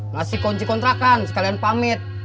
masih kunci kontrakan sekalian pamit